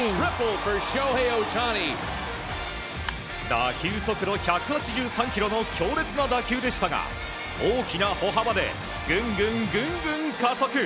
打球速度１８３キロの強烈な打球でしたが大きな歩幅でぐんぐん、ぐんぐん加速。